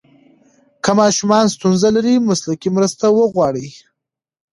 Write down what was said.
که ماشوم ستونزه لري، مسلکي مرسته وغواړئ.